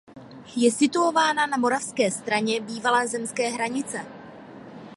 Je situována na moravské straně bývalé zemské hranice.